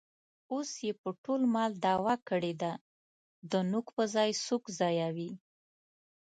اوس یې په ټول مال دعوه ورکړې ده. د نوک په ځای سوک ځایوي.